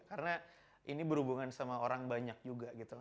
karena ini berhubungan sama orang banyak juga gitu